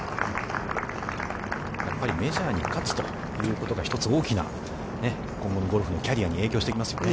やっぱりメジャーに勝つということが、一つ大きな今後のゴルフのキャリアに影響してきますよね。